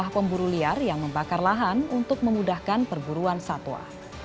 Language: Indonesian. dan juga penyebabnya pembakar yang membakar lahan untuk memudahkan perburuan satwa